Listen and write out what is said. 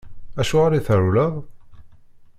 Acuɣeṛ i trewleḍ?